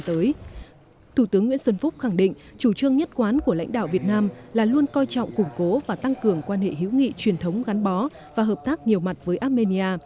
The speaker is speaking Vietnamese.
thủ tướng nguyễn xuân phúc khẳng định chủ trương nhất quán của lãnh đạo việt nam là luôn coi trọng củng cố và tăng cường quan hệ hữu nghị truyền thống gắn bó và hợp tác nhiều mặt với armenia